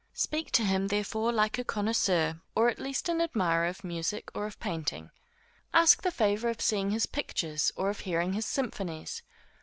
Speak to him therefore like a connoisseur, or at least an admirer of music, or of painting. Ask the favor of seeing his pictures, or of hearing his symphonies.